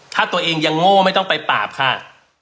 ถ้าตัวเองยังโง่ไม่ต้องไปปราบค่ะ